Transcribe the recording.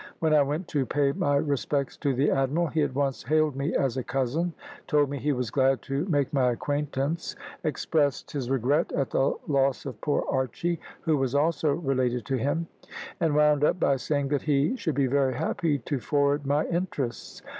When I went to pay my respects to the admiral, he at once hailed me as a cousin, told me he was glad to make my acquaintance, expressed his regret at the loss of poor Archy, who was also related to him, and wound up by saying that he should be very happy to forward my interests.